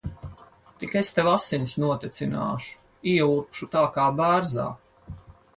Tik es tev asinis notecināšu. Ieurbšu tā kā bērzā.